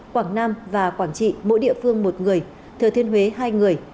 quảng nam và quảng trị mỗi địa phương một người thừa thiên huế hai người